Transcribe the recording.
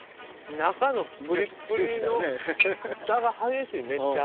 中のプリップリの差が激しいめっちゃ。